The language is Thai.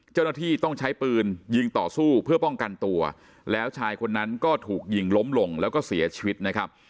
เจ้าหน้าที่ต้องใช้ปืนยิงต่อสู้เพื่อป้องกันตัวแล้วชายคนนั้นก็ถูกยิงล้มลงแล้วก็เสียชีวิตนะครับ